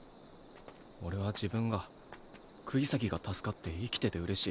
俺は自分が釘崎が助かって生きててうれしい。